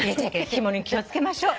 ひもに気を付けましょう。